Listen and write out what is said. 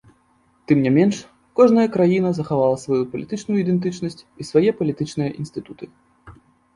Тым не менш, кожная краіна захавала сваю палітычную ідэнтычнасць і свае палітычныя інстытуты.